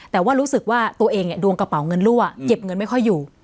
แต่ว่ารู้สึกว่าตัวเองดวงกระเป๋าเงินรั่วเก็บเงินไม่ค่อยอยู่